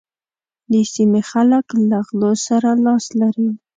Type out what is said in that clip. د سيمې خلک له غلو سره لاس لري.